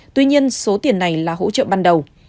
tuy nhiên số tiền này là hỗ trợ ban đầu